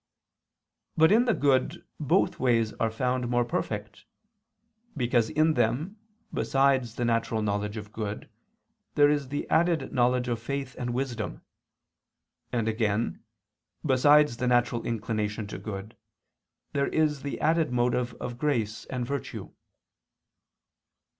But in the good both ways are found more perfect: because in them, besides the natural knowledge of good, there is the added knowledge of faith and wisdom; and again, besides the natural inclination to good, there is the added motive of grace and virtue.